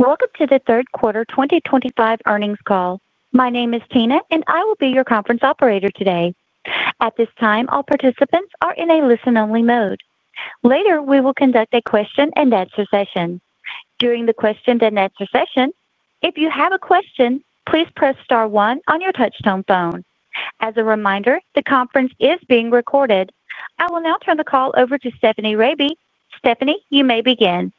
Welcome to the third quarter 2025 earnings call. My name is Tina and I will be your conference operator today. At this time, all participants are in a listen-only mode. Later, we will conduct a question and answer session. During the question and answer session, if you have a question, please press star one on your touchtone phone. As a reminder, the conference is being recorded. I will now turn the call over to Stephanie Rabe. Stephanie, you may begin.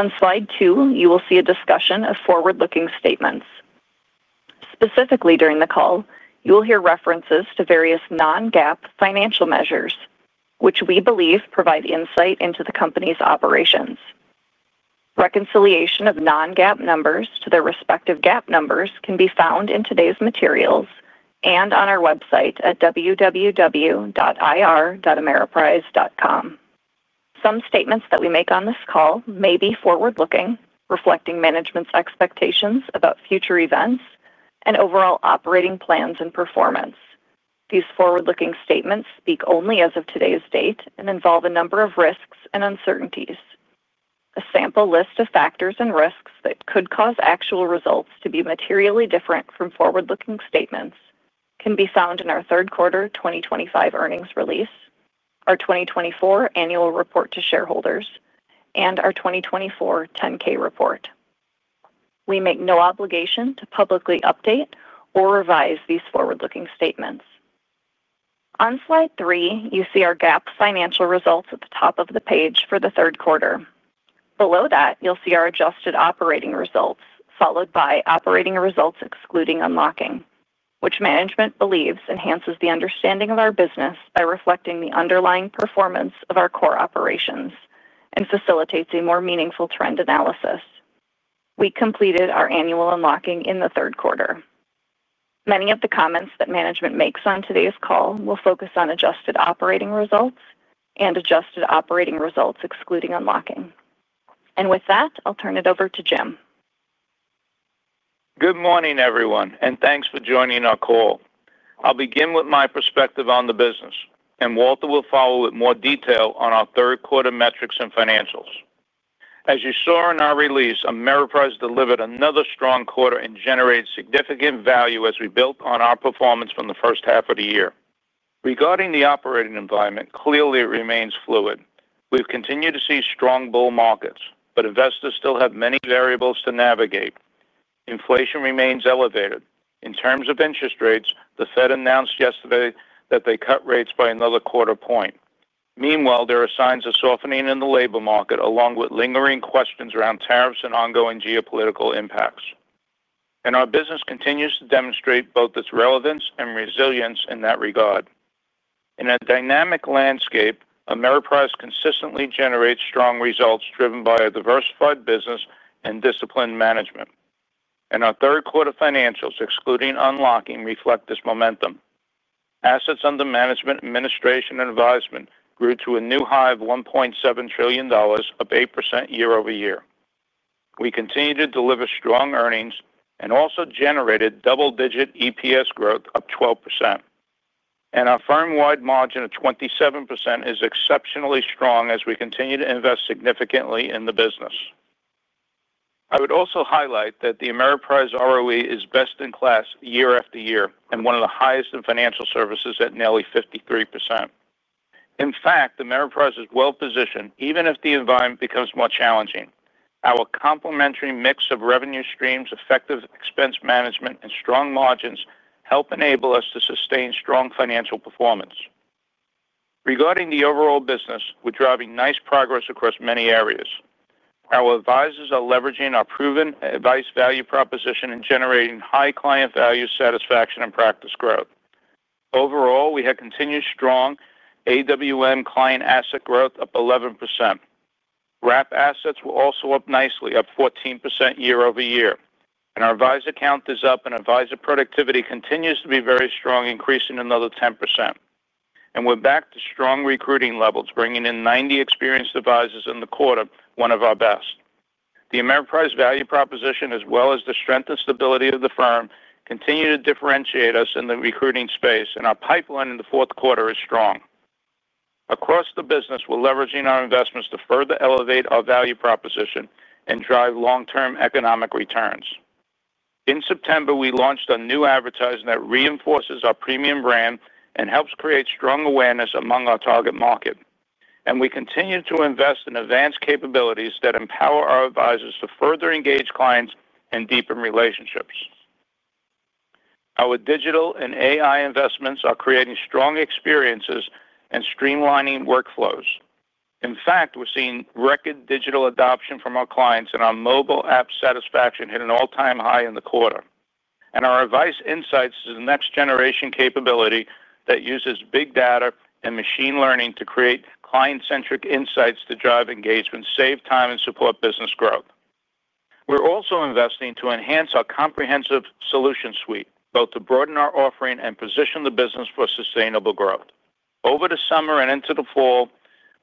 On slide two, you will see a discussion of forward-looking statements. Specifically, during the call you will hear references to various non-GAAP financial measures, which we believe provide insight into the company's operations. Reconciliation of non-GAAP numbers to their respective GAAP numbers can be found in today's materials and on our website at www.ir.ameriprise.com. Some statements that we make on this call may be forward-looking, reflecting management's expectations about future events and overall operating plans and performance. These forward-looking statements speak only as of today's date and involve a number of risks and uncertainties. A sample list of factors and risks that could cause actual results to be materially different from forward-looking statements can be found in our third quarter 2025 earnings release, our 2024 annual report to shareholders, and our 2024 10-K report. We make no obligation to publicly update or revise these forward-looking statements. On slide three, you see our GAAP financial results at the top of the page for the third quarter. Below that, you'll see our adjusted operating results, followed by operating results excluding unlocking, which management believes enhances the understanding of our business by reflecting the underlying performance of our core operations and facilitates a more meaningful trend analysis. We completed our annual unlocking in the third quarter. Many of the comments that management makes on today's call will focus on adjusted operating results and adjusted operating results excluding unlocking. With that, I'll turn it over to Jim. Good morning everyone and thanks for joining our call. I'll begin with my perspective on the business and Walter will follow with more detail on our third quarter metrics and financials. As you saw in our release, Ameriprise delivered another strong quarter and generated significant value as we built on our performance from the first half of the year. Regarding the operating environment, clearly it remains fluid. We've continued to see strong bull markets, but investors still have many variables to navigate. Inflation remains elevated, influencing interest rates. The Fed announced yesterday that they cut rates by another quarter point. Meanwhile, there are signs of softening in the labor market along with lingering questions around tariffs and ongoing geopolitical impacts, and our business continues to demonstrate both its relevance and resilience in that regard. In a dynamic landscape, Ameriprise consistently generates strong results driven by a diversified business and disciplined management, and our third quarter financials excluding unlocking reflect this momentum. Assets under management, administration, and advisement grew to a new high of $1.7 trillion, up 8% year-over-year. We continue to deliver strong earnings and also generated double-digit EPS growth, up 12%, and our firmwide margin of 27% is exceptionally strong as we continue to invest significantly in the business. I would also highlight that the Ameriprise ROE is best in class year after year and one of the highest in financial services at nearly 53%. In fact, Ameriprise is well positioned even if the environment becomes more challenging. Our complementary mix of revenue streams, effective expense management, and strong margins help enable us to sustain strong financial performance. Regarding the overall business, we're driving nice progress across many areas. Our advisors are leveraging our proven advice value proposition and generating high client value, satisfaction, and practice growth. Overall, we had continued strong AWM client asset growth, up 11%. Wrap assets were also up nicely, up 14% year-over-year, and our advisor count is up and advisor productivity continues to be very strong, increasing another 10%. We're back to strong recruiting levels, bringing in 90 experienced advisors in the quarter with one of our best. The Ameriprise value proposition as well as the strength and stability of the firm continue to differentiate us in the recruiting space, and our pipeline in the fourth quarter is strong across the business. We're leveraging our investments to further elevate our value proposition and drive long term economic returns. In September, we launched new advertising that reinforces our premium brand and helps create strong awareness among our target market, and we continue to invest in advanced capabilities that empower our advisors to further engage clients and deepen relationships. Our digital and AI investments are creating strong experiences and streamlining workflows. In fact, we're seeing record digital adoption from our clients, and our mobile app satisfaction hit an all time high in the quarter. Our Advice Insights is the next generation capability that uses big data and machine learning to create client centric insights to drive engagement, save time, and support business growth. We're also investing to enhance our comprehensive solution suite, both to broaden our offering and position the business for sustainable growth. Over the summer and into the fall,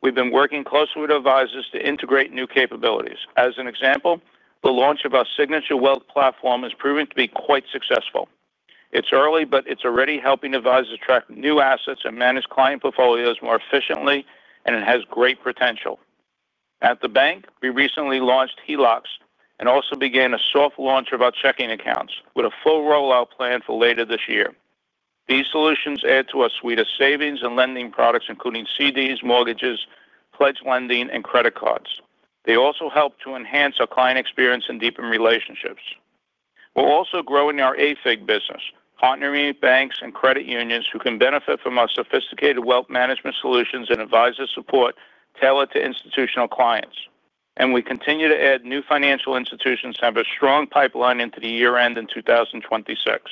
we've been working closely with advisors to integrate new capabilities. As an example, the launch of our Signature Wealth platform is proving to be quite successful. It's early, but it's already helping advisors attract new assets and manage client portfolios more efficiently, and it has great potential at the bank. We recently launched HELOCs and also began a soft launch of our checking accounts with a full rollout planned for later this year. These solutions add to a suite of savings and lending products, including CDs, mortgages, pledged lending, and credit cards. They also help to enhance our client experience and deepen relationships. We're also growing our AFIG business, partnering banks and credit unions who can benefit from our sophisticated wealth management solutions and advisor support tailored to institutional clients, and we continue to add new financial institutions, have a strong pipeline into the year end in 2026.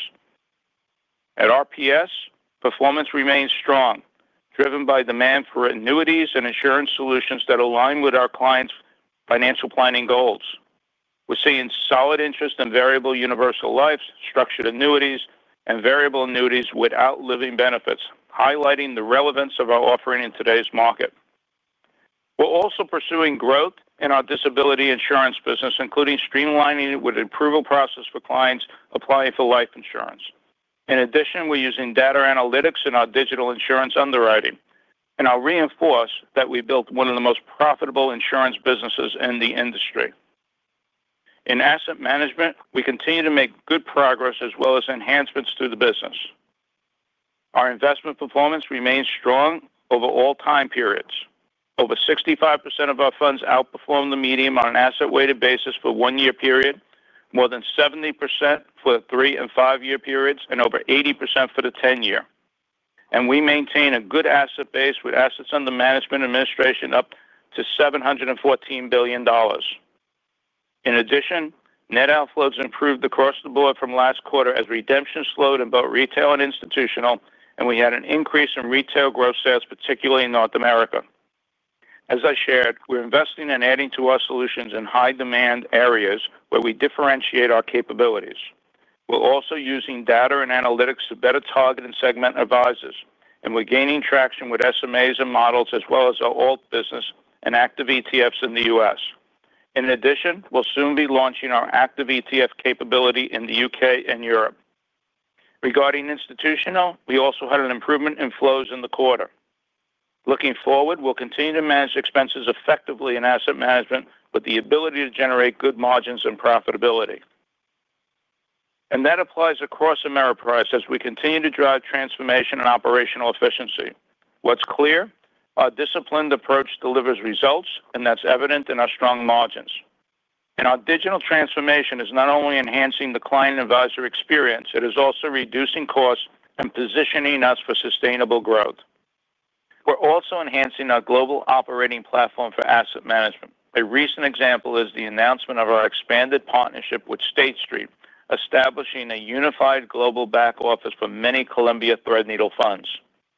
At RPS, performance remains strong, driven by demand for annuities and insurance solutions that align with our clients' financial planning goals. We're seeing solid interest in variable universal life, structured variable annuities, and variable annuities without living benefits, highlighting the relevance of our offering in today's market. We're also pursuing growth in our disability insurance business, including streamlining it with the approval process for clients applying for life insurance. In addition, we're using data analytics and our digital insurance underwriting, and I'll reinforce that we've built one of the most profitable insurance businesses in the industry. In asset management, we continue to make good progress as well as enhancements through the business. Our investment performance remains strong over all time periods. Over 65% of our funds outperform the median on an asset-weighted basis for the one-year period, more than 70% for the three- and five-year periods, and over 80% for the 10-year, and we maintain a good asset base with assets under management and administration up to $714 billion. In addition, net outflows improved across the board from last quarter as redemptions slowed in both retail and institutional, and we had an increase in retail gross sales, particularly in North America. As I shared, we're investing and adding to our solutions in high-demand areas where we differentiate our capabilities. We're also using data and analytics to better target and segment advisors, and we're gaining traction with SMAs and models as well as our alt business and active ETFs in the U.S. In addition, we'll soon be launching our active ETF capability in the U.K. and Europe. Regarding institutional, we also had an improvement in flows in the quarter. Looking forward, we'll continue to manage expenses effectively in asset management with the ability to generate good margins and profitability, and that applies across Ameriprise as we continue to drive transformation and operational efficiency. What's clear, our disciplined approach delivers results, and that's evident in our strong margins. Our digital transformation is not only enhancing the client and advisor experience, it is also reducing costs and positioning us for sustainable growth. We're also enhancing our global operating platform for asset management. A recent example is the announcement of our expanded partnership with State Street, establishing a unified global back office for many Columbia Threadneedle funds.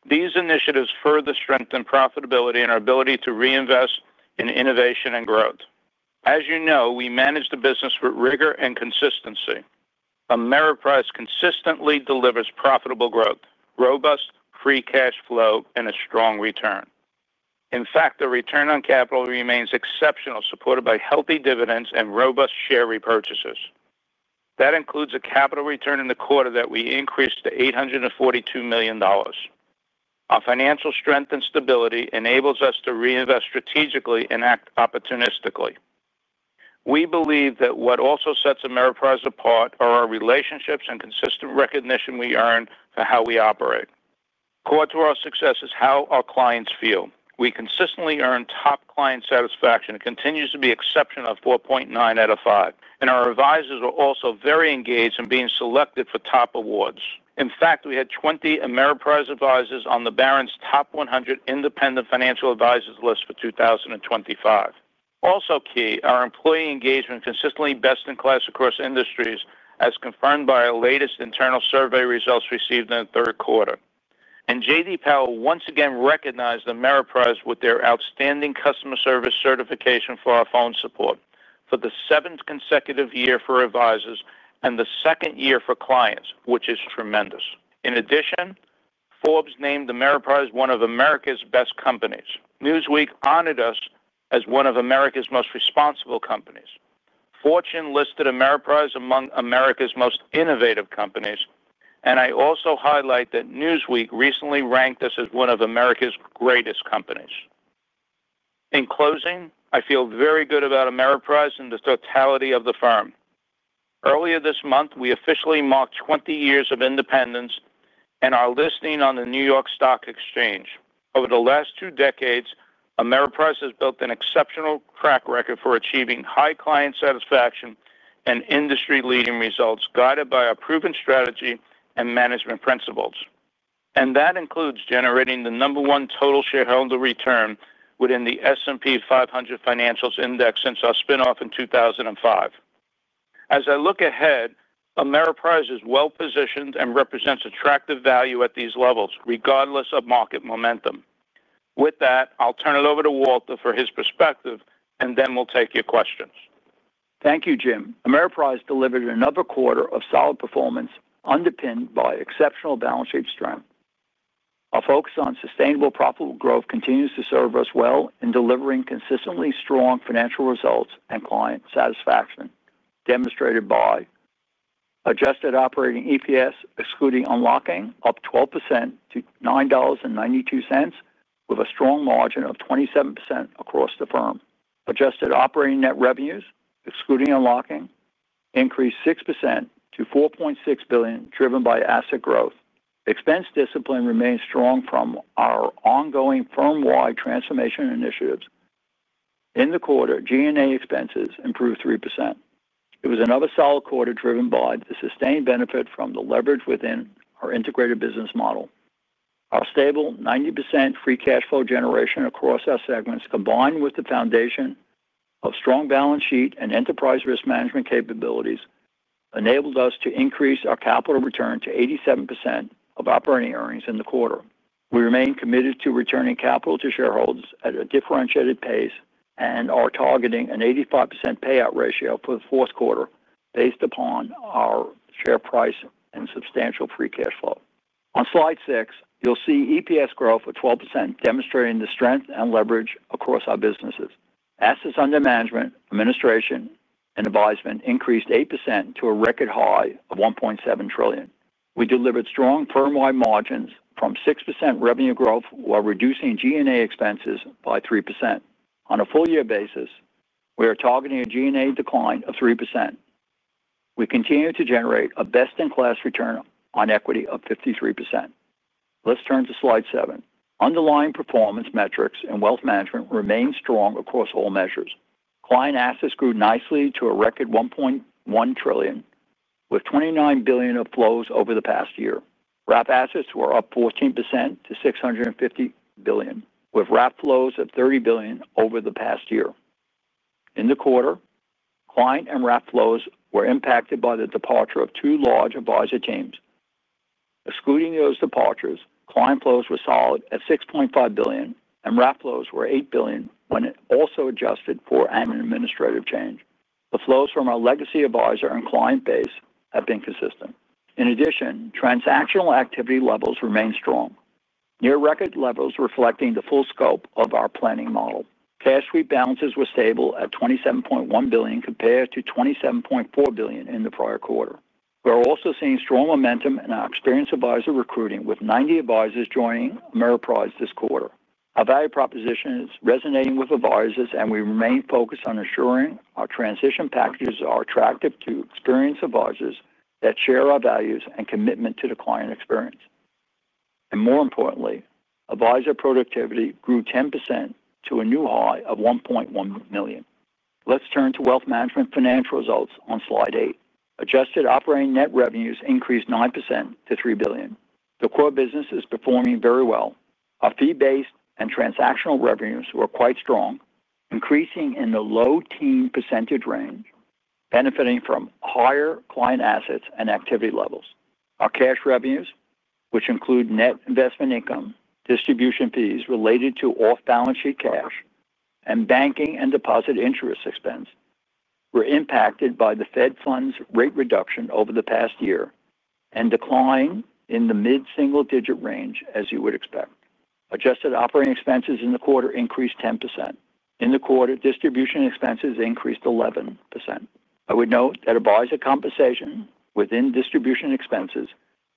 These initiatives further strengthen profitability and our ability to reinvest in innovation and growth. As you know, we manage the business with rigor and consistency. Ameriprise consistently delivers profitable growth, robust free cash flow, and a strong return. In fact, the return on capital remains exceptional, supported by healthy dividends and robust share repurchases that include a capital return in the quarter that we increased to $842 million. Our financial strength and stability enable us to reinvest strategically and act opportunistically. We believe that what also sets Ameriprise apart are our relationships and consistent recognition we earn for how we operate. Core to our success is how our clients feel. We consistently earned top client satisfaction. It continues to be exceptional, 4.9/5. Our advisors are also very engaged in being selected for top awards. In fact, we had 20 Ameriprise advisors on the Barron's Top 100 Independent Financial Advisors list for 2025. Also key, our employee engagement is consistently best in class across industries as confirmed by our latest internal survey results received in the third quarter. J.D. Power once again recognized Ameriprise with their outstanding customer service certification for our phone support for the seventh consecutive year for advisors and the second year for clients, which is tremendous. In addition, Forbes named Ameriprise one of America's best companies, Newsweek honored us as one of America's most responsible companies, Fortune listed Ameriprise among America's most innovative companies, and I also highlight that Newsweek recently ranked us as one of America's greatest companies. In closing, I feel very good about Ameriprise and the totality of the firm. Earlier this month, we officially marked 20 years of independence and our listing on the New York Stock Exchange. Over the last two decades, Ameriprisehas built an exceptional track record for achieving high client satisfaction and industry-leading results guided by a proven strategy and management principles, and that includes generating the number one total shareholder return within the S&P 500 Financials Index since our spin-off in 2005. As I look ahead, Ameriprise is well positioned and represents attractive value at these levels regardless of market momentum. With that, I'll turn it over to Walter for his perspective and then we'll take your questions. Thank you, Jim. Ameriprise delivered another quarter of solid performance underpinned by exceptional balance sheet strength. Our focus on sustainable, profitable growth continues to serve us well in delivering consistently strong financial results and client satisfaction, demonstrated by adjusted operating EPS excluding unlocking up 12% to $9.92, with a strong margin of 27% across the firm. Adjusted operating net revenues excluding unlocking increased 6% to $4.6 billion, driven by asset growth. Expense discipline remains strong from our ongoing firmwide transformation initiatives in the quarter. G&A expenses improved 3%. It was another solid quarter driven by the sustained benefit from the leverage within our integrated business model. Our stable 90% free cash flow generation across our segments, combined with the foundation of strong balance sheet and enterprise risk management capabilities, enabled us to increase our capital return to 87% of operating earnings in the quarter. We remain committed to returning capital to shareholders at a differentiated pace and are targeting an 85% payout ratio for the fourth quarter based upon our share price and substantial free cash flow. On slide six, you'll see EPS growth of 12%, demonstrating the strength and leverage across our businesses. Assets under management, administration, and advisement increased 8% to a record high of $1.7 trillion. We delivered strong firmwide margins from 6% revenue growth while reducing G&A expenses by 3% on a full-year basis. We are targeting a G&A decline of 3%. We continue to generate a best-in-class return on equity of 53%. Let's turn to slide seven. Underlying performance metrics in wealth management remain strong across all measures. Client assets grew nicely to a record $1.1 trillion, with $29 billion of flows over the past year. Wrap assets were up 14% to $650 billion, with wrap flows of $30 billion over the past year. In the quarter, client and wrap flows were impacted by the departure of two large advisor teams. Excluding those departures, client flows were solid at $6.5 billion and wrap flows were $8 billion. When also adjusted for an administrative change, the flows from our legacy advisor and client base have been consistent. In addition, transactional activity levels remain strong, near record levels, reflecting the full scope of our planning model. Cash sweep balances were stable at $27.1 billion compared to $27.4 billion in the prior quarter. We are also seeing strong momentum in our experienced advisor recruiting with 90 advisors joining Ameriprise this quarter. Our value proposition is resonating with advisors and we remain focused on ensuring our transition packages are attractive to experienced advisors that share our values and commitment to the client experience. More importantly, advisor productivity grew 10% to a new high of $1.1 million. Let's turn to wealth management financial results on slide eight. Adjusted operating net revenues increased 9% to $3 billion. The core business is performing very well. Our fee-based and transactional revenues were quite strong, increasing in the low teen percentage range, benefiting from higher client assets and activity levels. Our cash revenues, which include net investment income, distribution fees related to off-balance sheet cash and banking and deposit interest expense, were impacted by the Fed funds rate reduction over the past year and declined in the mid single digit range. As you would expect, adjusted operating expenses in the quarter increased 10%. Distribution expenses increased 11%. I would note that advisor compensation within distribution expenses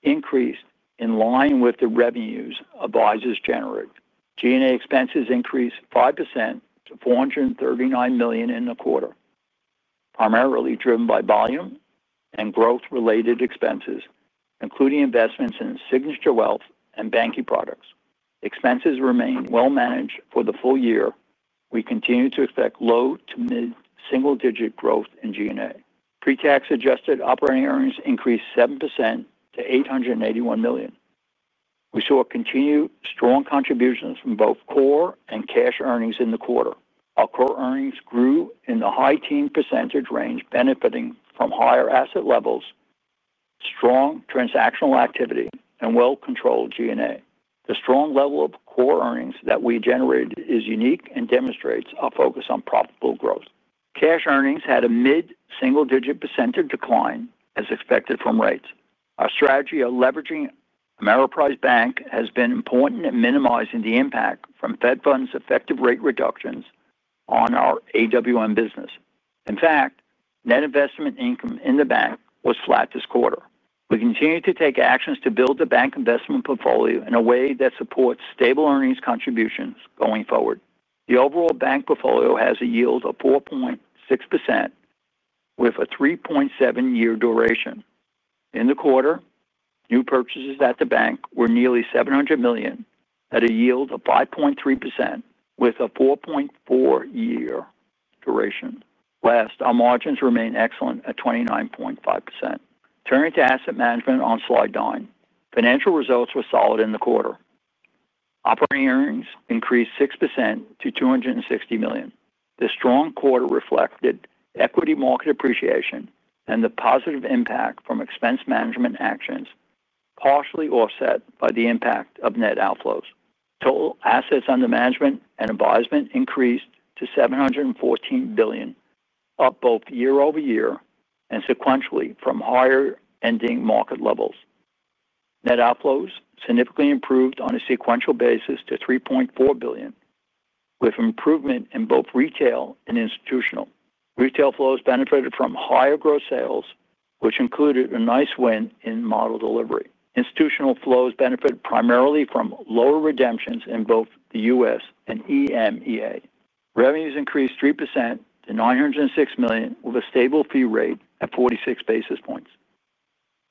increased in line with the revenues advisors generate. G&A expenses increased 5% to $439 million in the quarter, primarily driven by volume and growth-related expenses including investments in Signature Wealth and banking products. Expenses remain well managed for the full year. We continue to expect low to mid single digit growth in G&A. Pre-tax adjusted operating earnings increased 7% to $881 million. We saw continued strong contributions from both core and cash earnings in the quarter. Our core earnings grew in the high teen % range, benefiting from higher asset levels, strong transactional activity, and well-controlled G&A. The strong level of core earnings that we generated is unique and demonstrates our focus on profitable growth. Cash earnings had a mid single digit percentage decline as expected from rates. Our strategy of leveraging Ameriprise Bank has been important in minimizing the impact from Fed Funds effective rate reductions on our AWM business. In fact, net investment income in the bank was flat this quarter. We continue to take actions to build the bank investment portfolio in a way that supports stable earnings contributions going forward. The overall bank portfolio has a yield of 4.6% with a 3.7 year duration in the quarter. New purchases at the bank were nearly $700 million at a yield of 5.3% with a 4.4 year duration. Last, our margins remain excellent at 29.5%. Turning to asset management on slide nine, financial results were solid in the quarter. Operating earnings increased 6% to $260 million. This strong quarter reflected equity market appreciation and the positive impact from expense management actions, partially offset by the impact of net outflows. Total assets under management and advisement increased to $714 billion, up both year-over-year and sequentially from higher ending market levels. Net outflows significantly improved on a sequential basis to $3.4 billion with improvement in both retail and institutional. Retail flows benefited from higher gross sales, which included a nice win in model delivery. Institutional flows benefit primarily from lower redemptions in both the U.S. and EMEA. Revenues increased 3% to $906 million with a stable fee rate at 46 basis points.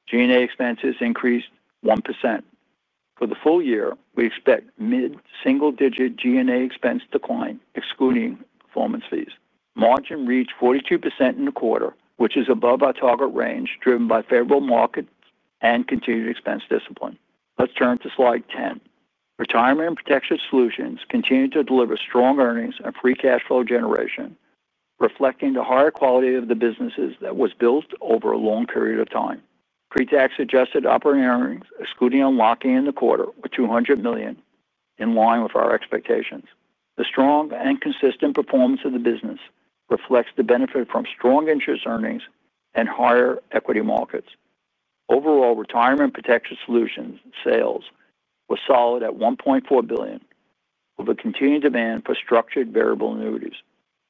G&A expenses increased 1% for the full year. We expect mid single digit G&A expense decline excluding performance fees. Margin reached 42% in the quarter, which is above our target range, driven by favorable market and continued expense discipline. Let's turn to slide 10. Retirement and protection solutions continue to deliver strong earnings and free cash flow generation, reflecting the higher quality of the businesses that was built over a long period of time. Pre-tax adjusted operating earnings excluding unlocking in the quarter were $200 million, in line with our expectations. The strong and consistent performance of the business reflects the benefit from strong interest earnings and higher equity markets. Overall retirement protection solutions sales were solid at $1.4 billion with a continued demand for structured variable annuities.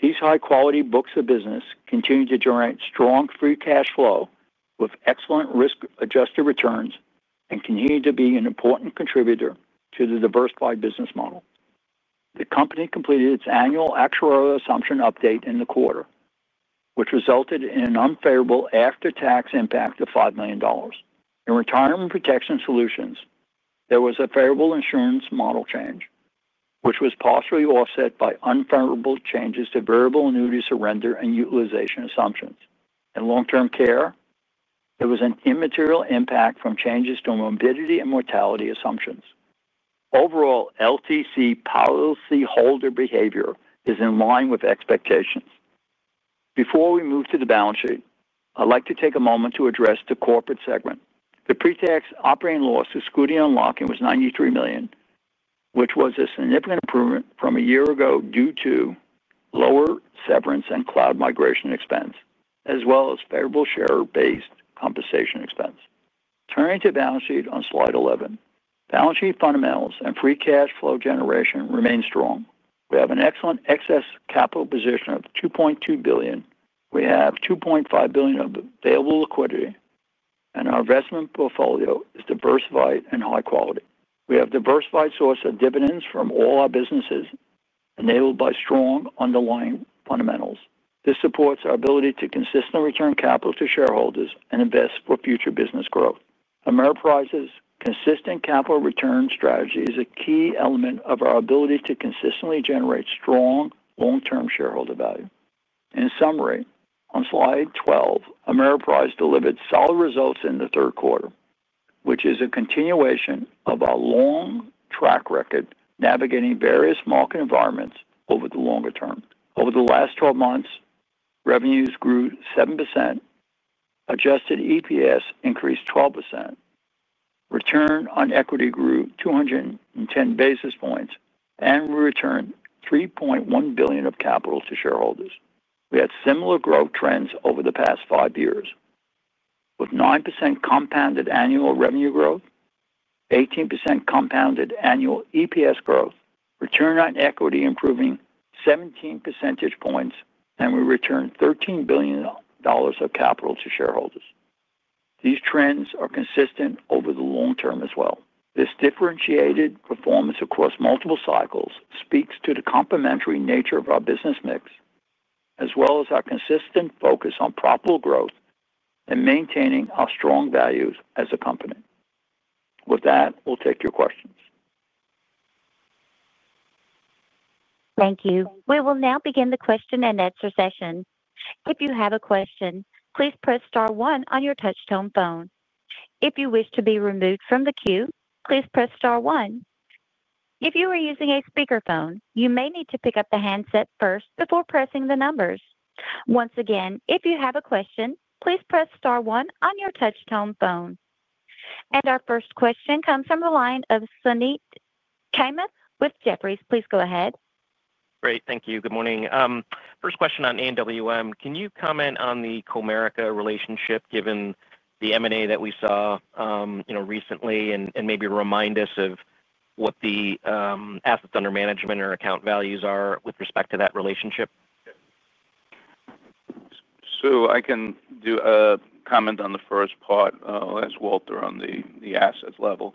These high quality books of business continue to generate strong free cash flow with excellent risk adjusted returns and continue to be an important contributor to the diversified business model. The company completed its annual actuarial assumption update in the quarter, which resulted in an unfavorable after-tax impact of $5 million. In retirement protection solutions, there was a variable insurance model change, which was partially offset by unfavorable changes to variable annuity surrender and utilization assumptions. In long term care, there was an immaterial impact from changes to morbidity and mortality assumptions. Overall, LTC policyholder behavior is in line with expectations. Before we move to the balance sheet, I'd like to take a moment to address the corporate segment. The pre-tax operating loss excluding unlocking was $93 million, which was a significant improvement from a year ago due to lower severance and cloud migration expense as well as favorable share-based compensation expense. Turning to the balance sheet on slide 11, balance sheet fundamentals and free cash flow generation remain strong. We have an excellent excess capital position of $2.2 billion. We have $2.5 billion of available liquidity, and our investment portfolio is diversified and high quality. We have diversified sources of dividends from all our businesses enabled by strong underlying fundamentals. This supports our ability to consistently return capital to shareholders and invest for future business growth. Ameriprise's consistent capital return strategy is a key element of our ability to consistently generate strong long-term shareholder value. In summary on slide 12, Ameriprise delivered solid results in the third quarter, which is a continuation of our long track record navigating various market environments over the longer term. Over the last 12 months, revenues grew 7%, adjusted EPS increased 12%, return on equity grew 210 basis points, and we returned $3.1 billion of capital to shareholders. We had similar growth trends over the past five years, with 9% compounded annual revenue growth, 18% compounded annual EPS growth, return on equity improving 17 percentage points, and we returned $13 billion of capital to shareholders. These trends are consistent over the long term as well. This differentiated performance across multiple cycles speaks to the complementary nature of our business mix as well as our consistent focus on profitable growth and maintaining our strong values as a company. With that, we'll take your questions. Thank you. We will now begin the question and answer session. If you have a question, please press star one on your touchtone phone. If you wish to be removed from the queue, please press star one. If you are using a speakerphone, you may need to pick up the handset first before pressing the numbers once again. If you have a question, please press star one on your touchtone phone. Our first question comes from the line of Suneet Kamath with Jefferies. Please go ahead. Great. Thank you. Good morning. First question on AWM. Can you comment on the Comerica relationship given the M&A that we saw recently, and maybe remind sense of what the assets under management or account values are with respect to that relationship? Suneet, I can do a comment on the first part as Walter on the assets level.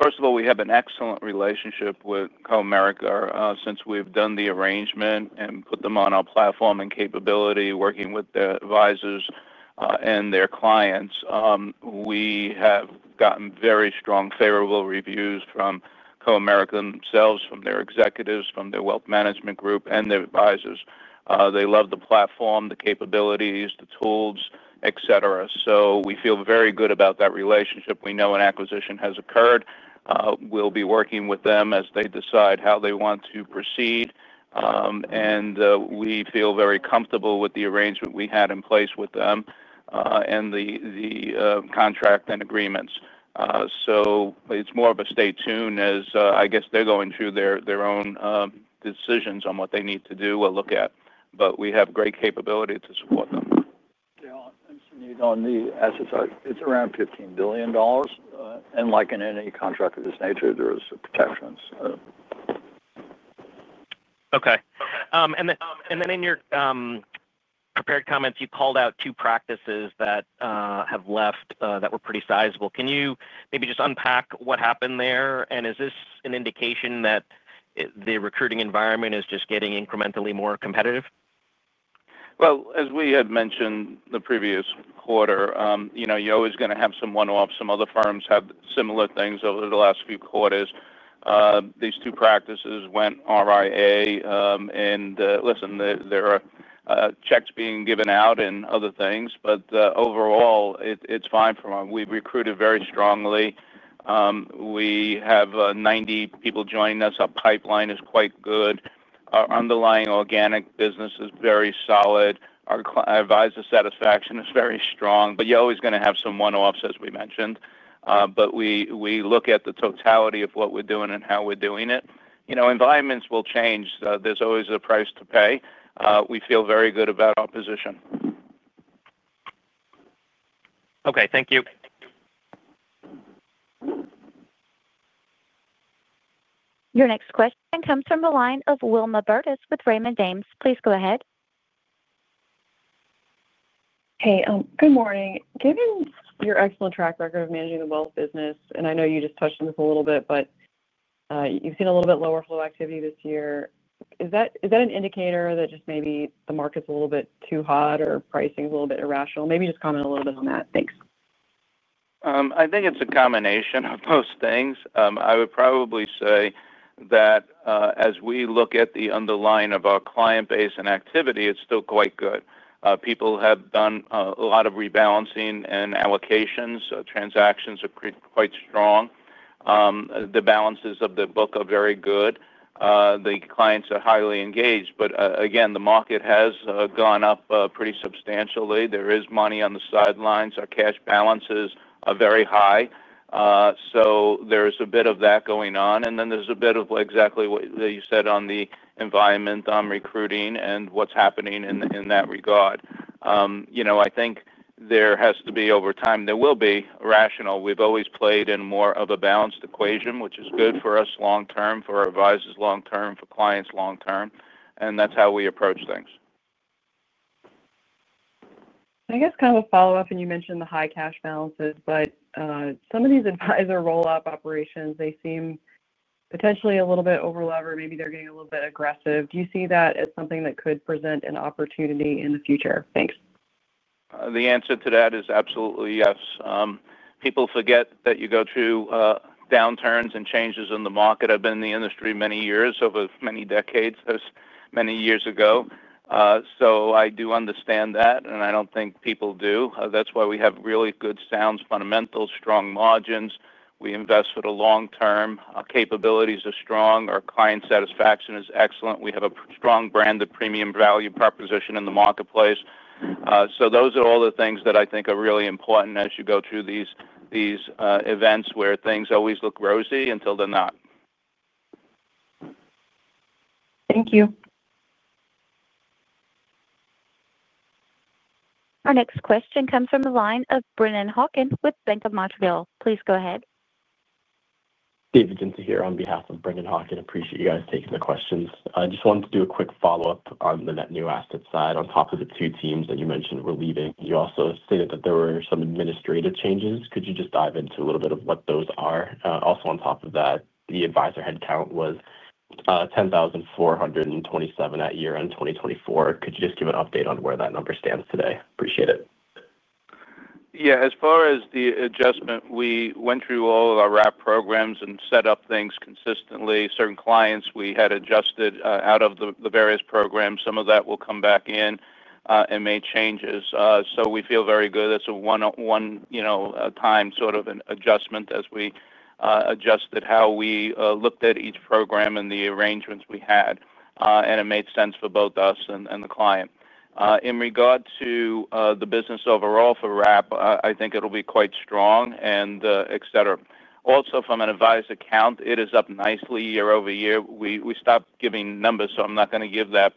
First of all, we have an excellent relationship with Comerica since we've done the arrangement and put them on our platform and capability, working with their advisors and their clients. We have gotten very strong favorable reviews from Comerica themselves, from their executives, from their wealth management group and their advisors. They love the platform, the capabilities, the tools, et cetera. We feel very good about that relationship. We know an acquisition has occurred. We'll be working with them as they decide how they want to proceed, and we feel very comfortable with the arrangement we had in place with them and the contract and agreements. It's more of a stay tuned as I guess they're going through their own decisions on what they need to do or look at, but we have great capability to support them. Suneet, on the assets, it's around $15 billion, and like in any contract of this nature, there is protections. Okay, in your prepared comments, you called out two practices. That have left that were pretty sizable. Can you maybe just unpack what happened there? Is this an indication that the recruiting environment is just getting incrementally more competitive? As we had mentioned the previous quarter, you know you're always going to have some one off. Some other firms have similar things. Over the last few quarters these two practices went RIA and listen, there are checks being given out and other things, but overall it's fine. We recruited very strongly. We have 90 people joining us. Our pipeline is quite good. Our underlying organic business is very solid. Our advisor satisfaction is very strong. You're always going to have some one offs as we mentioned. We look at the totality of what we're doing and how we're doing it. You know, environments will change, there's always a price to pay. We feel very good about our position. Okay, thank you. Your next question comes from the line of Wilma Burdis with Raymond James. Please go ahead. Hey, good morning. Given your excellent track record of managing the wealth business and I know you just touched on this a little bit. You've seen a little bit lower flow activity this year. Is that an indicator that just maybe the market's a little bit too hot or pricing's a little bit irrational? Maybe just comment a little bit on that. Thanks. I think it's a combination of those things. I would probably say that as we look at the underlying of our client base and activity, it's still quite good. People have done a lot of rebalancing and allocations, transactions are quite strong. The balances of the book are very good, the clients are highly engaged. The market has gone up pretty substantially. There is money on the sidelines. Our cash balances are very high. There's a bit of that going on. There's a bit of exactly what you said on the environment, on recruiting and what's happening in that regard. I think there has to be, over time, there will be rational. We've always played in more of a balanced equation, which is good for us long term, for our advisors long term, for clients long term. That's how we approach things. I guess kind of a follow-up, and you mentioned the high cash balances, but some of these advisor roll-up operations, they seem potentially a little bit over levered. Maybe they're getting a little bit aggressive. Do you see that as something that could present an opportunity in the future? Thanks. The answer to that is absolutely yes. People forget that you go through downturns and changes in the market. I've been in the industry many years over many decades, many years ago. I do understand that. I don't think people do. That's why we have really good, sound fundamentals, strong margins. We invest for the long term. Capabilities are strong. Our client satisfaction is excellent. We have a strong brand, the premium value proposition in the marketplace. Those are all the things that I think are really important as you go through these events where things always look rosy until they're not. Thank you. Our next question comes from the line of Brennan Hawken with Bank of Montreal. Please go ahead. David Giunta here on behalf of Brennan Hawken. Appreciate you guys taking the questions. I just wanted to do a quick follow-up on the net new asset side. On top of the two teams that you mentioned were leaving, you also stated that there were some administrative changes. Could you just dive into a little bit of what those are? Also, on top of that, the advisor headcount was 10,427 at year end 2024. Could you just give an update on where that number stands today? Appreciate it. Yeah. As far as the adjustment, we went through all our wrap programs and set up things consistently. Certain clients we had adjusted out of the various programs. Some of that will come back in and make changes. We feel very good. It's a one-time sort of an adjustment as we adjusted how we looked at each program and the arrangements we had, and it made sense for both us and the client. In regard to the business overall for wrap, I think it will be quite strong, et cetera. Also, from an advised account, it is up nicely year-over-year. We stopped giving numbers, so I'm not going to give that.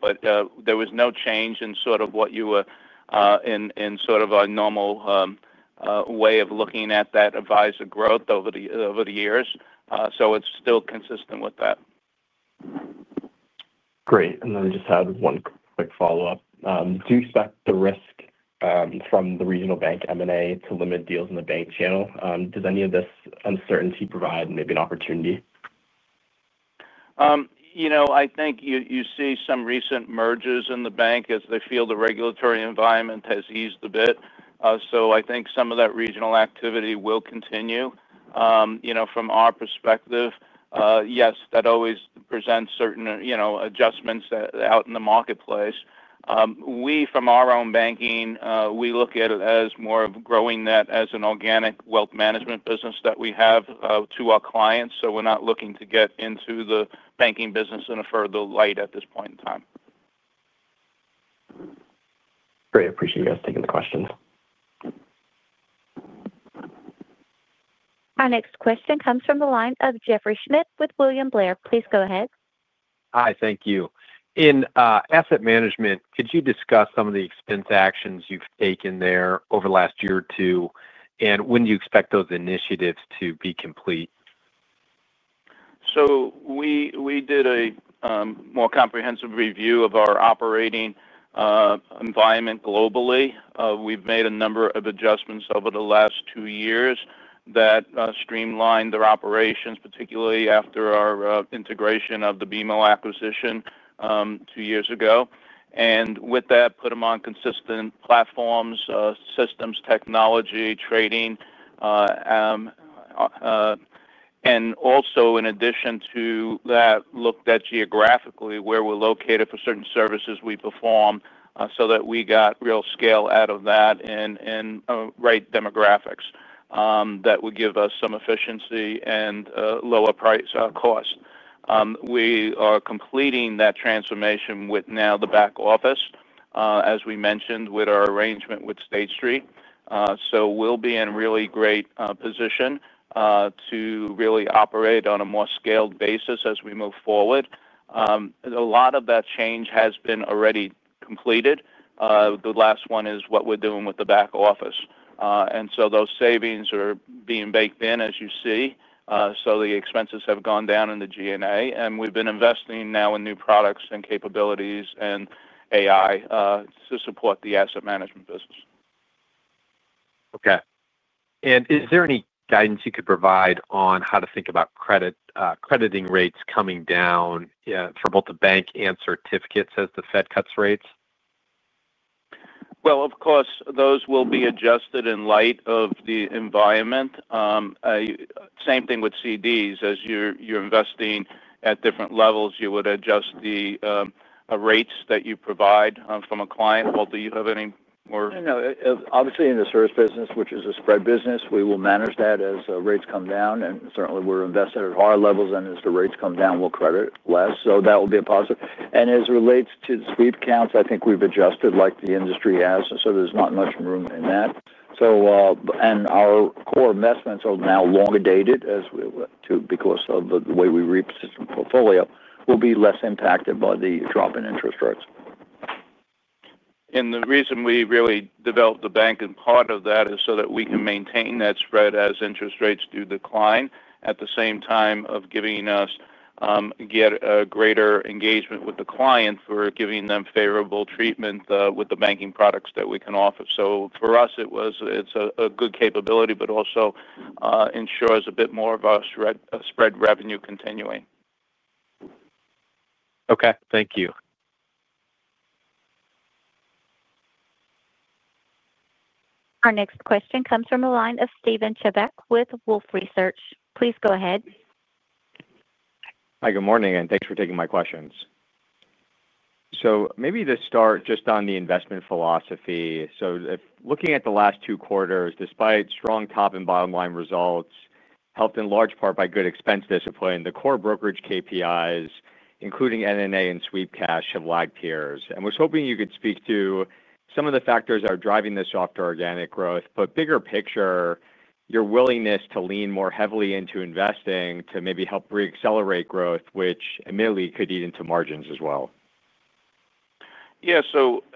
There was no change in what you were in, in sort of a normal way of looking at that advisor growth over the years. It's still consistent with that. Great. We just had one quick follow up. Do you expect the risk from the regional bank M&A to limit deals in the bank channel? Does any of this uncertainty provide maybe an opportunity? I think you see some recent mergers in the bank as they feel the regulatory environment has eased a bit. I think some of that regional activity will continue. From our perspective, yes, that always presents certain adjustments out in the marketplace. We, from our own banking, look at it as more of growing that as an organic wealth management business that we have to our clients. We're not looking to get into the banking business in a further light at this point in time. Great. Appreciate you guys taking the questions. Our next question comes from the line of Jeffrey Schmitt with William Blair. Please go ahead. Hi. Thank you. In asset management, could you discuss some of the expense actions you've taken there over the last year or two, and when do you expect those initiatives to be complete? We did a more comprehensive review of our operating environment globally. We've made a number of adjustments over the last two years that streamlined their operations, particularly after our integration of the BMO acquisition two years ago. With that, we put them on consistent platforms, systems, technology, trading, and also in addition to that, looked at geographically where we're located for certain services we perform so that we got real scale out of that and right demographics that would give us some efficiency and lower price cost. We are completing that transformation with now the back office, as we mentioned with our arrangement with State Street. We'll be in really great position to really operate on a more scaled basis as we move forward. A lot of that change has been already completed. The last one is what we're doing with the back office. Those savings are being baked in, as you see. The expenses have gone down in the G&A and we've been investing now in new products and capabilities and AI to support the asset management business. Okay, is there any guidance you could provide on how to think about crediting rates coming down for both the bank and certificates as the Fed cuts rates? Of course, those will be adjusted in light of the environment. Same thing with CDs as you're investing in at different levels. You would adjust the rates that you provide from a client. Walter, you have any more? Obviously in the service business, which is a spread business, we will manage that as rates come down, and certainly we're invested at higher levels. As the rates come down, we'll credit less. That will be a positive. As it relates to sweep counts, I think we've adjusted like the industry has, and so there's not much room in that. So. Our core investments are now longer dated because of the way we repositioned the portfolio, and will be less impacted by the drop in interest rates. The reason we really developed the bank and part of that is so that we can maintain that spread as interest rates do decline, at the same time giving us greater engagement with the client by giving them favorable treatment with the banking products that we can offer. For us, it's a good capability, but also ensures a bit more of our spread revenue continuing. Okay, thank you. Our next question comes from the line of Steven Chubak with Wolfe Research. Please go ahead. Hi, good morning and thanks for taking my questions. Maybe to start just on the investment philosophy. If you are looking at the last two quarters, despite strong top and bottom line results, helped in large part by good expense discipline, the core brokerage KPIs including NNA and sweep cash have lagged peers. Was hoping you could speak to some of the factors are driving the softer organic growth. Bigger picture, your willingness to lean more heavily into investing to maybe help reaccelerate growth, which admittedly could eat into margins as well. Yeah,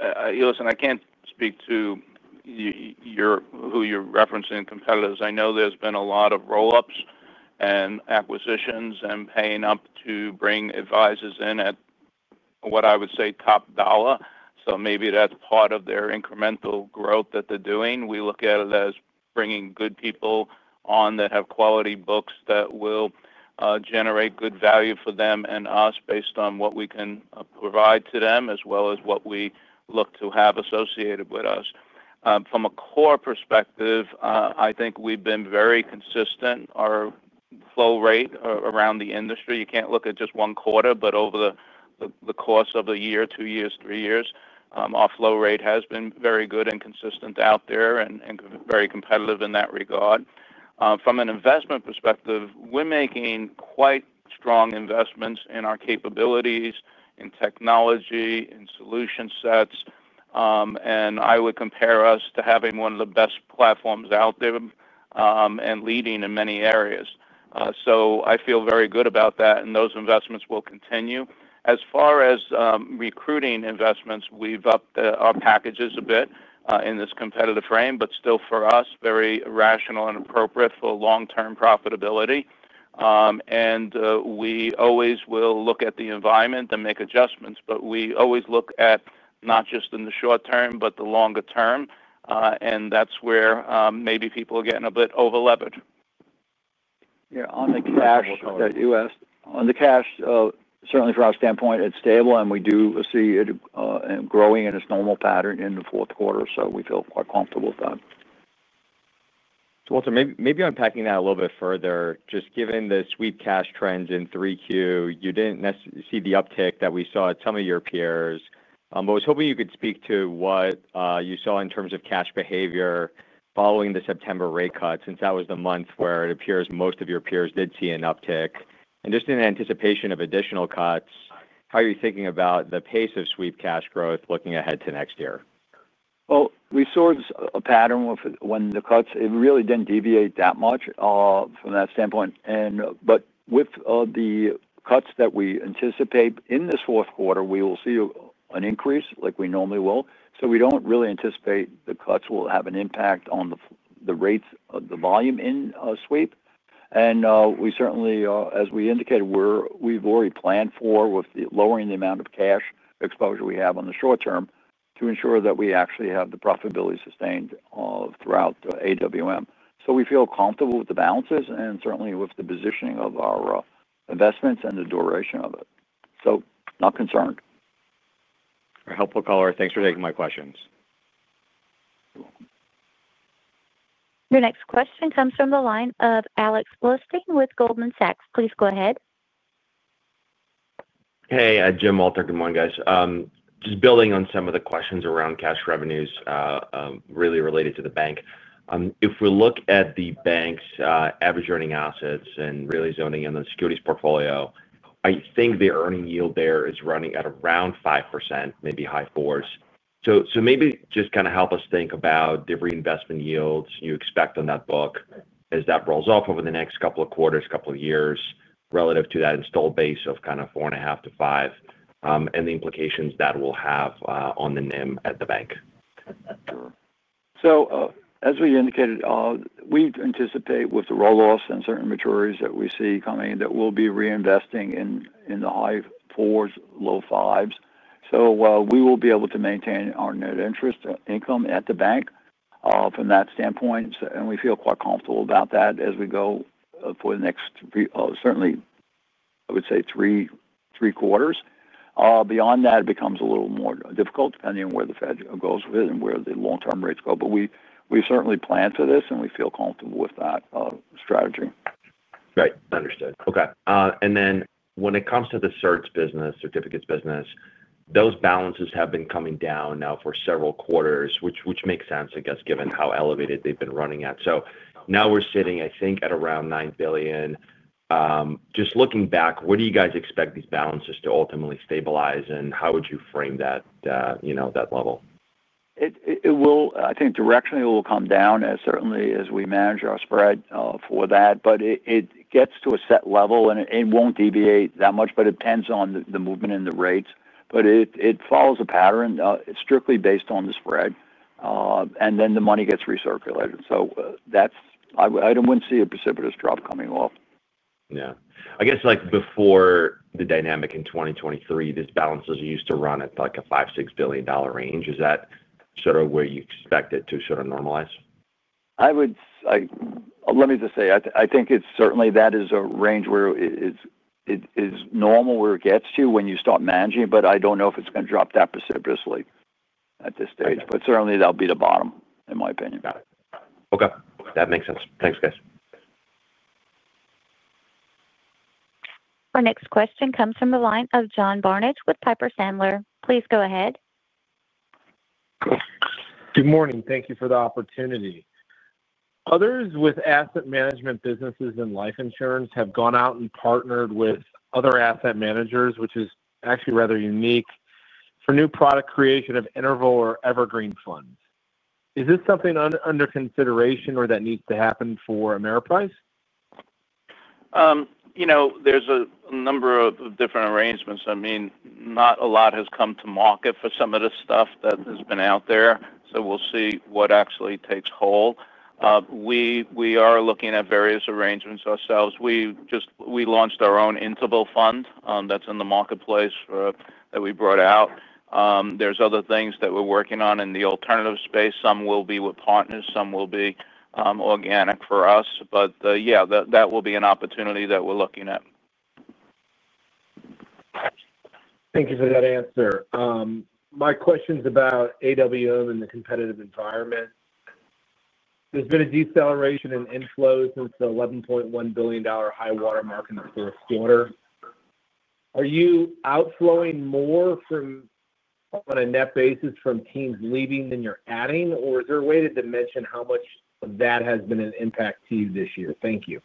listen, I can't speak to who you're referencing competitors. I know there's been a lot of roll ups and acquisitions and paying up to bring advisors in at what I would say top dollar. Maybe that's part of their incremental growth that they're doing. We look at it as bringing good people on that have quality books that will generate good value for them and us based on what we can provide to them as well as what we look to have associated with us. From a core perspective, I think we've been very consistent. Our flow rate around the industry, you can't look at just one quarter, but over the course of a year, two years, three years, our flow rate has been very good and consistent out there and very competitive in that regard. From an investment perspective, we're making quite strong investments in our capabilities in technology and solution sets, and I would compare us to having one of the best platforms out there and leading in many areas. I feel very good about that and those investments will continue. As far as recruiting investments, we've upped our packages a bit in this competitive frame, but still for us, very rational and appropriate for long term profitability. We always will look at the environment and make adjustments, but we always look at not just in the short term, but the longer term. That's where maybe people are getting a bit overlevered. Yeah. On the cash that you asked. On the cash, certainly from our standpoint it's stable, and we do see it growing in its normal pattern in the fourth quarter. We feel quite comfortable with that. Walter, maybe unpacking that a little bit further. Just given the Sweep cash trends in 3Q, you didn't see the uptick that we saw at some of your peers, but I was hoping you could speak to what you saw in terms of cash behavior following the September rate cut, since that was the month where it appears most of your peers did see an uptick, and just in anticipation of additional cuts, how are you thinking about the pace of Sweep cash growth looking ahead to next year? We saw a pattern when the cuts, it really didn't deviate that much from that standpoint. With the cuts that we anticipate in this fourth quarter, we will see an increase like we normally will. We don't really anticipate the cuts will have an impact on the rates, the volume in sweep. We certainly, as we indicated, we've already planned for with lowering the amount of cash exposure we have on the short term to ensure that we actually have the profitability sustained throughout AWM. We feel comfortable with the balances and certainly with the positioning of our investments and the duration of it. Not concerned. Helpful Walter. Thanks for taking my questions. Your next question comes from the line of Alex Blostein with Goldman Sachs. Please go ahead. Hey Jim, Walter. Good morning, guys. Just building on some of the questions. Around cash revenues really related to the bank. If we look at the bank's average earning assets and really zoning in the securities portfolio, I think the earning yield there is running at around 5%, maybe high 4%s. Maybe just kind of help us think about the reinvestment yields you expect on that book as that rolls off over the next couple of quarters, couple of years relative to that installed base of kind of 4.5%-5% and the implications that we'll have on the NIM at the bank. As we indicated, we anticipate with the roll offs and certain maturities that we see coming that we'll be reinvesting in the high 4%s, low 5%s. We will be able to maintain our net interest income at the bank from that standpoint and we feel quite comfortable about that as we go for the next certainly, I would say, three quarters. Beyond that it becomes a little more difficult depending on where the Fed goes with it and where the long-term rates go. We certainly plan for this and we feel comfortable with that strategy. Right, understood. Okay. When it comes to the certificates business, those balances have been coming down now for several quarters, which makes sense I guess given how elevated they've been running at. Now we're sitting I think at around $9 billion. Just looking back, where do you guys expect these balances to ultimately stabilize and how would you frame that? That level. I think directionally will come down certainly as we manage our spread for that. It gets to a set level and it won't deviate that much. It depends on the movement in the rates, but it follows a pattern strictly based on the spread and then the money gets recirculated. I wouldn't see a precipitous drop coming off. Before the dynamic in 2023, these balances used to run at like a $5, $6 billion range. Is that sort of where you expect it to sort of normalize? I would just say I think certainly that is a range where it is normal, where it gets to when you start managing. I don't know if it's going to drop that precipitously at this stage, but certainly that'll be the bottom in my opinion. Okay, that makes sense. Thanks guys. Our next question comes from the line of John Barnidge with Piper Sandler. Please go ahead. Good morning. Thank you for the opportunity. Others with asset management businesses and life insurance have gone out and partnered with other asset managers, which is actually rather unique for new product creation of interval or evergreen funds. Is this something under consideration or that needs to happen for Ameriprise? There's a number of different arrangements. Not a lot has come to market for some of the stuff that has been out there. We'll see what actually takes hold. We are looking at various arrangements ourselves. We launched our own interval fund that's in the marketplace that we brought out. There's other things that we're working on in the alternative space. Some will be with partners, some will be organic for us. That will be an opportunity that we're looking at. Thank you for that answer. My question's about AWM and the competitive environment. There's been a deceleration in inflows since re $11.1 billion high water mark in the first year order. Are you outflowing more from on a net basis from teams leaving than you're adding, or is there a way to dimension how much that has been impact to you this year? Thank you.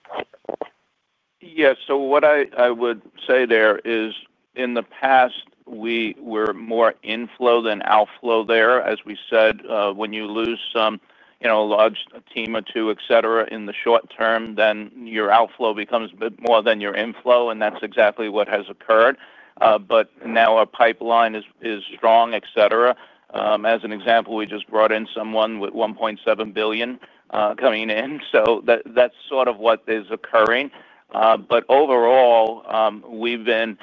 Yes. What I would say there is, in the past we were more inflow than outflow there. As we said, when you lose some, you know, a large team or two, in the short term, then your outflow becomes a bit more than your inflow, and that's exactly what has occurred. Now our pipeline is strong. As an example, we just brought in someone with $1.7 billion coming in. That's sort of what is occurring. Overall we've been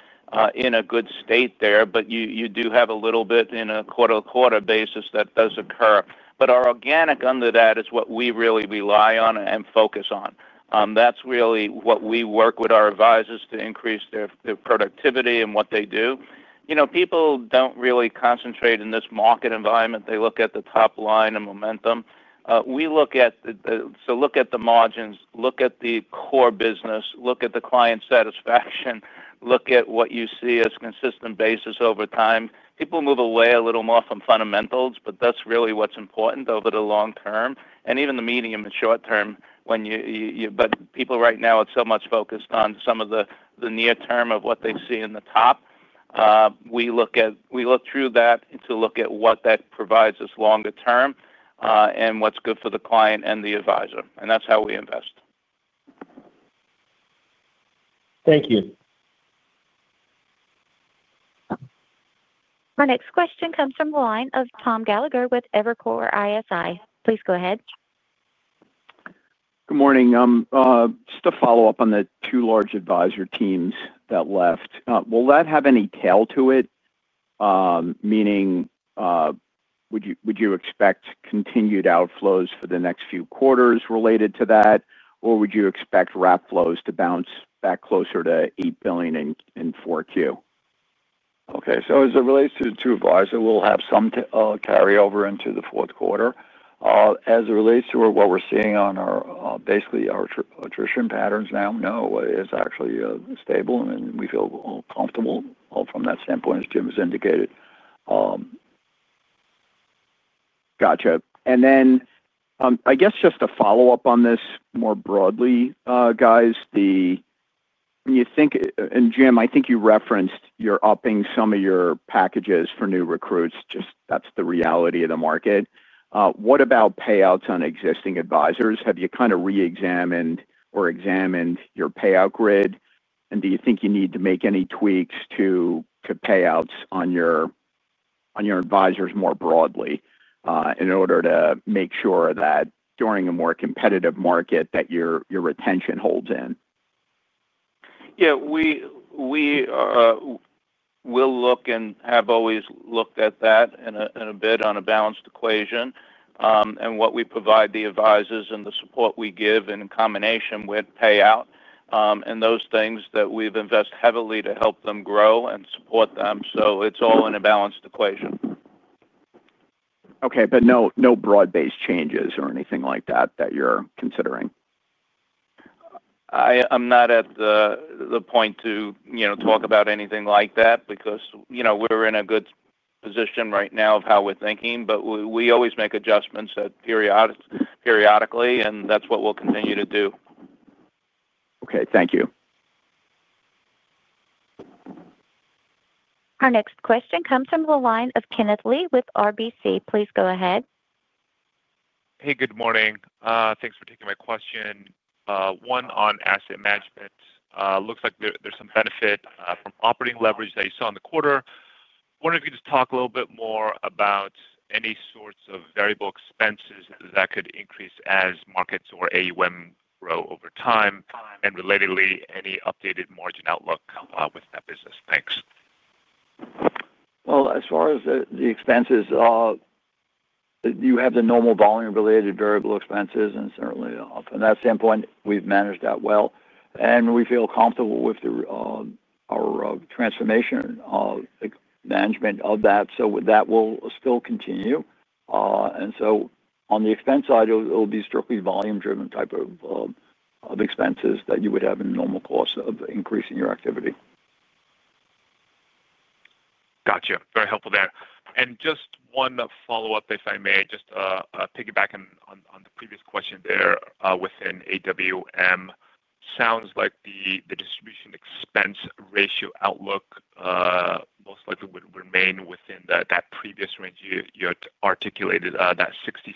in a good state there. You do have a little bit on a quarter-to-quarter basis that does occur. Our organic under that is what we really rely on and focus on. That's really what we work with our advisors to increase their productivity and what they do. People don't really concentrate in this market environment. They look at the top line and momentum. We look at the margins, look at the core business, look at the client satisfaction, look at what you see on a consistent basis over time. People move away a little more from fundamentals, but that's really what's important over the long term and even the medium and short term. People right now are so much focused on some of the near term of what they see in the top. We look through that to look at what that provides us longer term and what's good for the client and the advisor, and that's how we invest. Thank you. My next question comes from the line of Tom Gallagher with Evercore ISI. Please go ahead. Good morning. Just a follow up on the two large advisor teams that left. Will that have any tail to it, meaning would you expect continued outflows for the next few quarters related to that or would you expect wrap flows to bounce back closer to $8 billion in 4Q? Okay, as it relates to the two advisors, we'll have some carryover into the fourth quarter. As it relates to what we're seeing on our attrition patterns now, no, it's actually stable and we feel comfortable from that standpoint as Jim has indicated. Gotcha. I guess just to follow up on this more broadly, guys, do you think, and Jim, I think you referenced you're upping some of your packages for new recruits. That's the reality of the market. What about payouts on existing advisors? Have you kind of re-examined or examined your payout grid and do you think you need to make any tweaks to payouts on your advisors more broadly in order to make sure that during a more competitive market that your retention holds in? Yeah, we look and have always looked at that a bit on a balanced equation and what we provide the advisors and the support we give in combination with payout and those things that we've invested heavily to help them grow and support them. It's all in a balanced equation. No broad based changes or anything like that that you're considering? I'm not at the point to talk about anything like that because we're in a good position right now of how we're thinking. We always make adjustments periodically and that's what we'll continue to do. Okay, thank you. Our next question comes from the line of Kenneth Lee with RBC, please go ahead. Hey, good morning. Thanks for taking my question. On asset management, looks like there's some benefit from operating leverage that you saw in the quarter. Wonder if you could just talk a little bit more about any sorts of variable expenses that could increase as markets or AUM grow over time, and relatedly, any updated margin outlook with that business. Thanks. As far as the expenses, you have the normal volume-related variable expenses, and certainly from that standpoint we've managed that well and we feel comfortable with our transformation management of that. That will still continue. On the expense side, it will be strictly volume-driven type of expenses that you would have in normal course of increasing your activity. Gotcha. Very helpful there. Just one follow up if I may. Just piggyback on the previous question there. Within AWM, sounds like the distribution expense ratio outlook most likely would remain within that previous range. You articulated that 66%,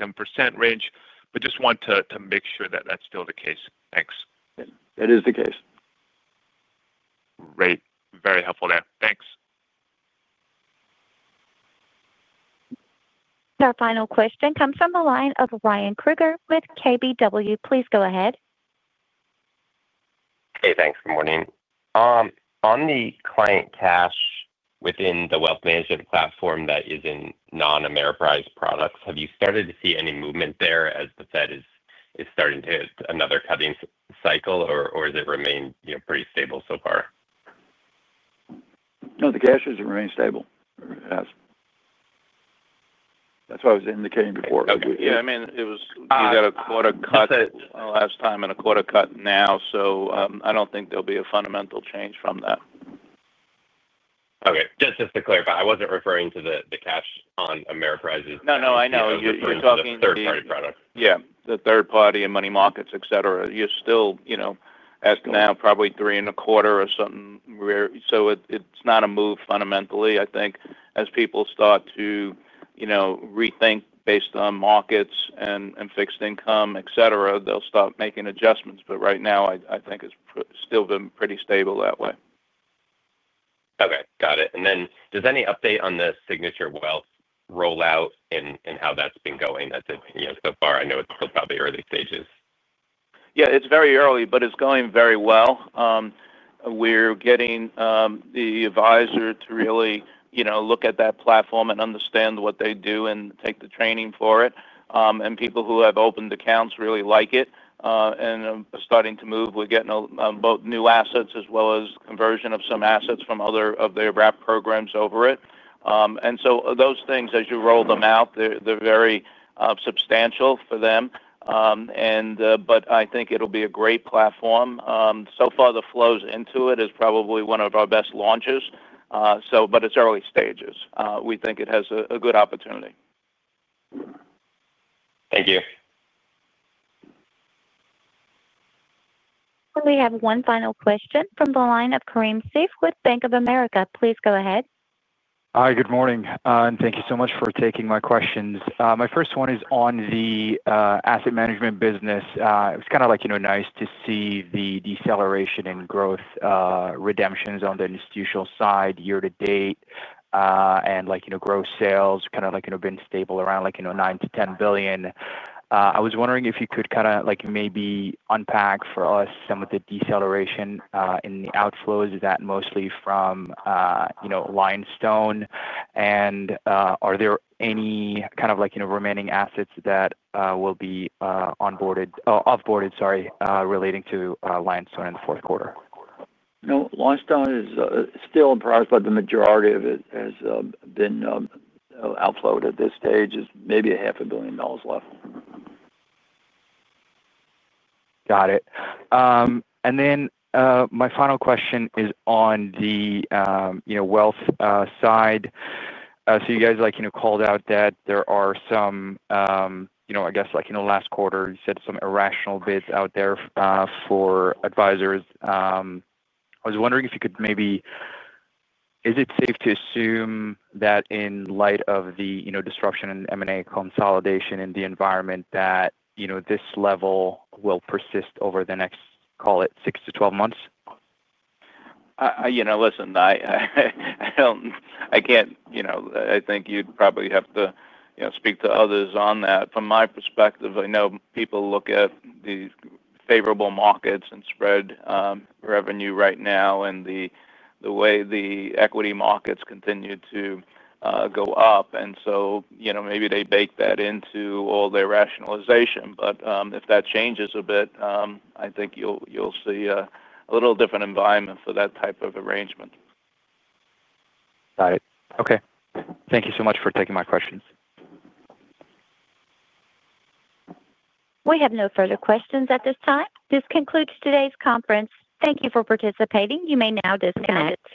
67% range. Just want to make sure that that's still the case. Thanks. That is the case. Great, very helpful there. Thanks. Our final question comes from the line of Ryan Krueger with KBW. Please go ahead. Hey, thanks. Good morning. On the client cash within the Wealth management platform that is in non Ameriprise products, have you started to see any movement there as the Fed is starting to hit another cutting cycle, or has it remained pretty stable so far? No, the cash has remained stable. That's what I was indicating before. Yeah, I mean it was a quarter cut last time and a quarter cut now. I don't think there'll be a fundamental change from that. Okay, just to clarify, I wasn't referring to the cash on Ameriprise's. No, no, I know, yeah. The third party and money markets, et cetera, you're still, you know, as to now probably 3.25 or something. It's not a move fundamentally. I think as people start to rethink based on markets and fixed income, et cetera, they'll start making adjustments. Right now I think it's still been pretty stable that way. Okay, got it. Does any update on the Signature Wealth roll out and how that's been going so far? I know it's still probably early stages. Yeah, it's very early, but it's going very well. We're getting the advisor to really look at that platform and understand what they do, take the training for it, and people who have opened accounts really like it and it's starting to move. We're getting both new assets as well as conversion of some assets from other of their wrap programs over it. Those things as you roll them out are very substantial for them. I think it'll be a great platform. So far, the flows into it are probably one of our best launches, but it's early stages. We think it has a good opportunity. Thank you. We have one final question from the line of Karim Assef with Bank of America. Please go ahead. Hi, good morning and thank you so much for taking my questions. My first one is on the asset management business. It's kind of like, you know, nice to see the deceleration in growth redemptions on the institutional side year to date, and gross sales have kind of been stable around $9 billion-$10 billion. I was wondering if you could maybe unpack for us some of the deceleration in the outflows. Is that mostly from, you know, Limestone? Are there any remaining assets that will be onboarded or offboarded, sorry, relating to Limestone in the fourth quarter? No, Limestone is still in progress, but the majority of it has been outflowed at this stage. Maybe $500 million left. Got it. My final question is on the Wealth side. You guys called out that there are some, I guess, like last quarter you said some irrational bids out there for advisors. I was wondering if you could maybe—is it safe to assume that in light of the disruption in M&A consolidation in the environment, that this level will persist over the next, call it, six to 12 months? I think you'd probably have to speak to others on that. From my perspective, I know people look at the favorable markets and spread revenue right now and the way the equity markets continue to go up. Maybe they bake that into all their rationalization. If that changes a bit, I think you'll see a little different environment for that type of arrangement. Okay, thank you so much for taking my questions. We have no further questions at this time. This concludes today's conference. Thank you for participating. You may now disconnect.